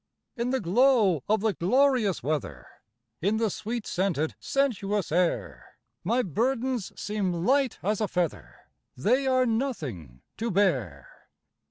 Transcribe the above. In the glow of the glorious weather, In the sweet scented, sensuous air, My burdens seem light as a feather— They are nothing to bear.